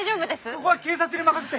ここは警察に任せて。